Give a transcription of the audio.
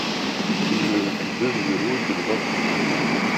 Lekdeb yurew-d lbaṭel.